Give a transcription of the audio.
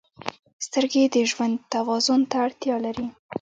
• سترګې د ژوند توازن ته اړتیا لري.